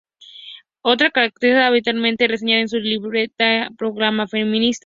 Otra característica habitualmente reseñada es su intensa proclama feminista.